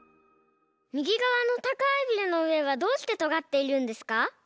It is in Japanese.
みぎがわのたかいビルのうえがどうしてとがっているんですか？